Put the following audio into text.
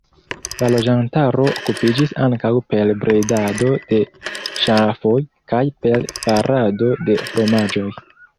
La loĝantaro okupiĝis ankaŭ per bredado de ŝafoj kaj per farado de fromaĝoj.